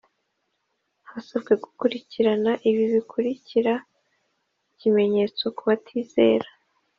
Hasabwe gukurikirana ibi bikurikira Kr ikimenyetso ku batizera